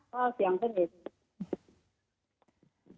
ก็เสียงสนิท